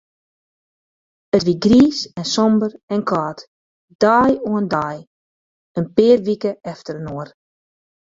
It wie griis en somber en kâld, dei oan dei, in pear wike efterinoar.